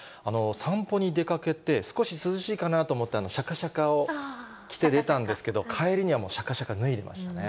散歩に出かけて少し涼しいかなと思って、しゃかしゃかを着て出たんですけど、帰りにはもうしゃかしゃか脱いでましたね。